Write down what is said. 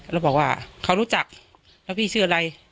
แล้วบอกว่าเขารู้จักแล้วพี่ชื่ออะไร